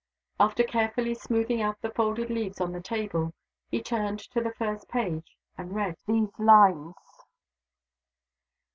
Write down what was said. After carefully smoothing out the folded leaves on the table, he turned to the first page, and read these lines.